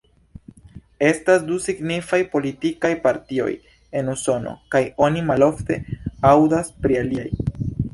Estas du signifaj politikaj partioj en Usono kaj oni malofte aŭdas pri aliaj.